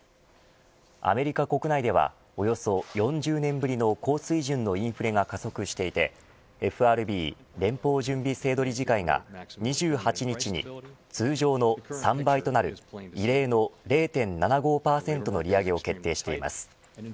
アメリカ国内ではおよそ４０年ぶりの高水準のインフレが加速していてＦＲＢ、連邦準備制度理事会が２８日に通常の３倍となる異例の０．７５％の利上げを決定しています。